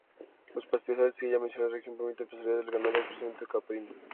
Los pastizales de ya mencionada región permiten el pastoreo del ganado, especialmente caprino.